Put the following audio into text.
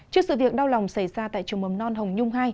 trước sự việc đau lòng xảy ra tại trường mầm non hồng nhung hai